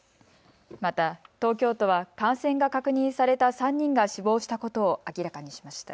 また東京都は感染が確認された３人が死亡したことを明らかにしました。